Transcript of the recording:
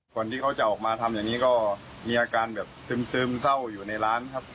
ก่อนที่เขาจะออกมาทำอย่างนี้ก็มีอาการแบบซึมเศร้าอยู่ในร้านครับ